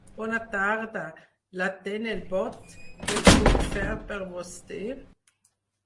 Bona tarda, l'atén el Bot, què puc fer per vostè?